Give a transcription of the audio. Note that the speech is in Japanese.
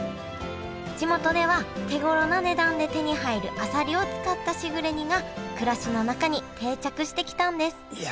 地元では手ごろな値段で手に入るあさりを使ったしぐれ煮が暮らしの中に定着してきたんですいや